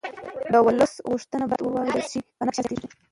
د ولس غوښتنې باید واورېدل شي که نه فشار زیاتېږي